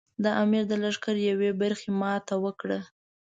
د امیر د لښکر یوې برخې ماته وکړه.